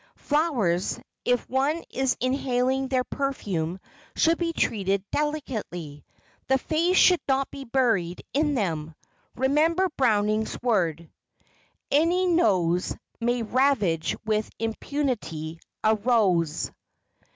Flowers, if one is inhaling their perfume, should be treated delicately,—the face should not be buried in them. Remember Browning's word, "Any nose May ravage with impunity a rose."